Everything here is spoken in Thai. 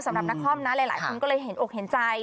สำหรับนักคอมนะหลายคนก็เลยเห็นอกเห็นใจ